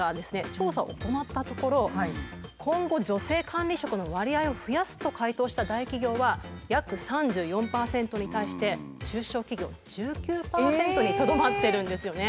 調査を行ったところ今後女性管理職の割合を増やすと回答した大企業は約３４％に対して中小企業１９％にとどまってるんですよね。